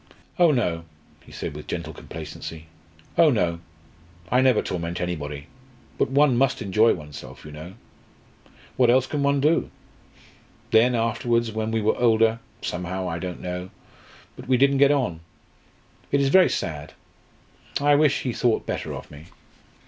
"Oh no!" he said with gentle complacency. "Oh no! I never torment anybody. But one must enjoy oneself you know; what else can one do? Then afterwards, when we were older somehow I don't know but we didn't get on. It is very sad I wish he thought better of me."